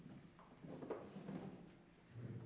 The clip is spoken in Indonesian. gak ada apa apa